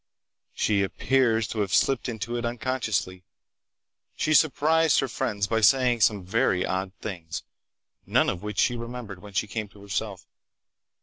She appears to have slipped into it unconsciously. She surprised her friends by saying some very odd things, none of which she remembered when she came to herself.